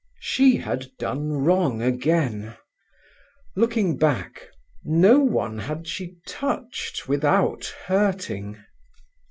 She had done wrong again. Looking back, no one had she touched without hurting.